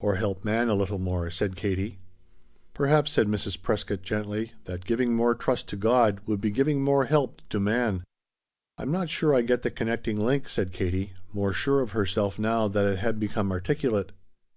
"Or help man a little more," said Katie. "Perhaps," said Mrs. Prescott gently, "that giving more trust to God would be giving more help to man." "I'm not sure I get the connecting link," said Katie, more sure of herself now that it had become articulate.